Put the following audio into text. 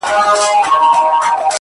دومره حيا مه كوه مړ به مي كړې ـ